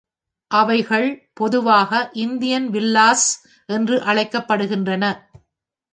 அவைகள் பொதுவாக Indian villas என்று அழைக்கப்படுகின்றன.